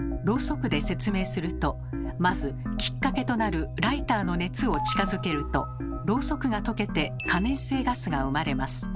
ろうそくで説明するとまずきっかけとなるライターの熱を近づけるとろうそくが溶けて可燃性ガスが生まれます。